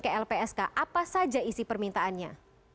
ke lpsk apa saja isi permintaannya